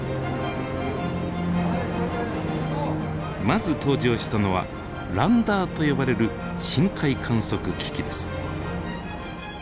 まず登場したのはランダーと呼ばれる深海観測機器です。